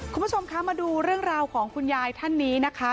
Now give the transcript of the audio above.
คุณผู้ชมคะมาดูเรื่องราวของคุณยายท่านนี้นะคะ